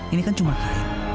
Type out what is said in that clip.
ini kan cuma kain